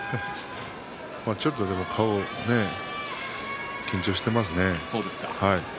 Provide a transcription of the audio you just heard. ちょっと顔、緊張していますね。